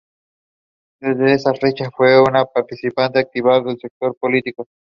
Desde esa fecha fue una participante activa del sector político.